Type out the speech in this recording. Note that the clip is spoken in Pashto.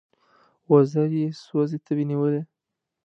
وزر یې سوزي تبې نیولی